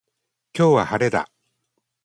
今日は晴れだ。